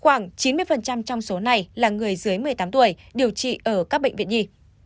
khoảng chín mươi trong số này là người dưới một mươi tám tuổi điều trị ở các bệnh viện nhi